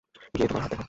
গিয়ে তোমার হাত দেখাও।